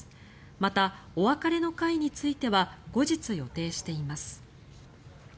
また、お別れの会については後日予定しています。